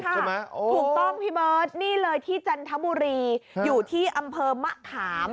ถูกต้องพี่เบิร์ตนี่เลยที่จันทบุรีอยู่ที่อำเภอมะขาม